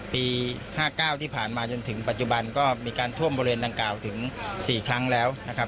ปี๕๙ที่ผ่านมาจนถึงปัจจุบันก็มีการท่วมบริเวณดังกล่าวถึง๔ครั้งแล้วนะครับ